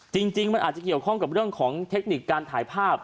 จริงมันอาจจะเกี่ยวข้องกับเรื่องของเทคนิคการถ่ายภาพ